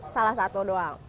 salah satu doang